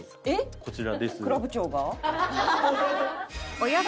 こちらです。